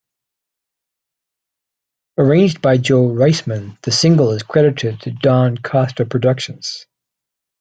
Arranged by Joe Reisman, the single is credited to Don Costa Productions.